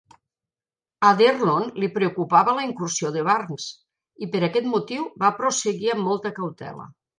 A D'Erlon li preocupava la incursió de Barnes i, per aquest motiu, va prosseguir amb molta cautela.